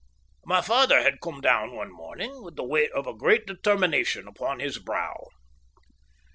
My father had come down one morning with the weight of a great determination upon his brow.